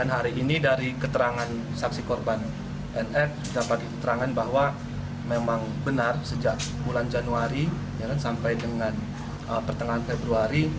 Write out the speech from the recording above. hari ini dari keterangan saksi korban nf dapat diterangkan bahwa memang benar sejak bulan januari sampai dengan pertengahan februari